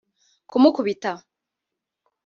kumukubita